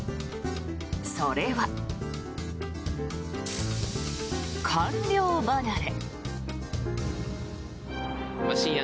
それは、官僚離れ。